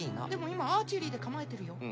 でも今アーチェリーで構えてるよ。